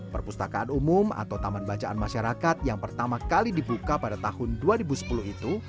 perpustakaan umum atau taman bacaan masyarakat yang pertama kali dibuka pada tahun dua ribu sepuluh itu